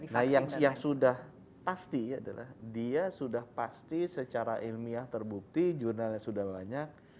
nah yang sudah pasti adalah dia sudah pasti secara ilmiah terbukti jurnalnya sudah banyak